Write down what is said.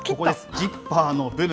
ジッパーの部分。